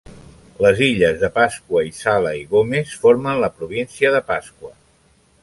Les illes de Pasqua i Sala i Gómez formen la província de Pasqua.